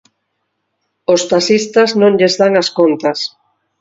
Aos taxistas non lles dan as contas.